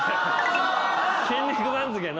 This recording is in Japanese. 『筋肉番付』の。